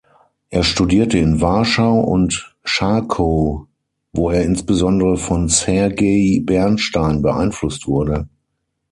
Er studierte in Warschau und Charkow, wo er insbesondere von Sergei Bernstein beeinflusst wurde.